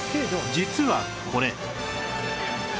実はこれ